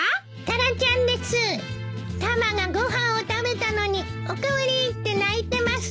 タマがご飯を食べたのにお代わりって鳴いてます。